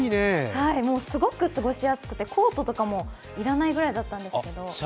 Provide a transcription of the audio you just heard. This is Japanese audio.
すごく過ごしやすくてコートとかも要らないぐらいだったんですけど。